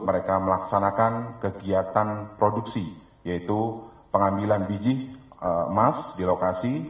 mereka melaksanakan kegiatan produksi yaitu pengambilan biji emas di lokasi